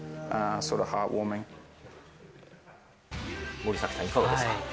森崎さん、いかがですか。